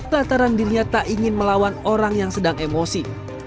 lataran dirinya tak ingin melawan orang yang sedang emosi